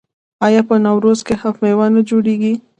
آیا په نوروز کې هفت میوه نه جوړیږي؟